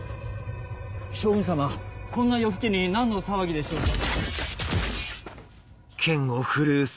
将軍様こんな夜更けに何の騒ぎでしょうか？